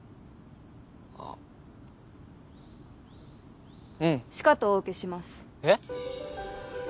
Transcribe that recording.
あうんしかとお受けしますえっ？